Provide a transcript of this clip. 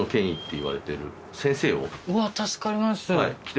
うわ助かります。